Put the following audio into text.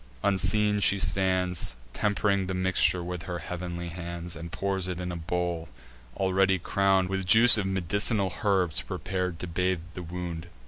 Unseen she stands, Temp'ring the mixture with her heav'nly hands, And pours it in a bowl, already crown'd With juice of med'c'nal herbs prepar'd to bathe the wound.